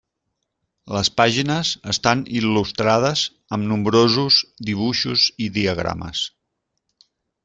Les pàgines estan il·lustrades amb nombrosos dibuixos i diagrames.